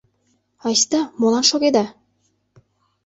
Айста, молан шогеда?..